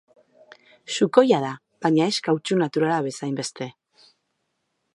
Sukoia da, baina ez kautxu naturala bezainbeste.